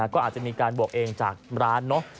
ก็อาจจะมีการบวกเองจากร้านเนอะ